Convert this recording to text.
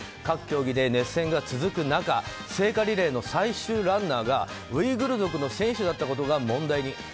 各競技で熱戦が続く中聖火リレーの最終ランナーがウイグル族の選手だったことが問題に。